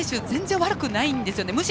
全然悪くないんですよね。